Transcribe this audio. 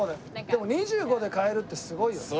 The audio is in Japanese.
でも２５で買えるってすごいよね。